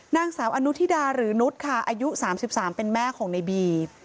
นางสาวอนุธิดาหรือนุธค่ะอายุสามสิบสามเป็นแม่ของในบี